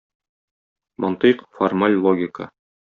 Мантыйк - формаль логика.